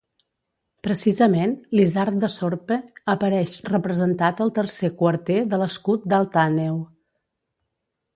Precisament l'isard de Sorpe apareix representat al tercer quarter de l'escut d'Alt Àneu.